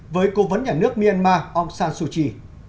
với cố vấn nhà nước myanmar aung san suu kyi